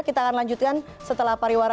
kita akan lanjutkan setelah pariwara